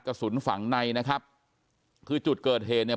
กระสุนฝังในนะครับคือจุดเกิดเหตุเนี่ย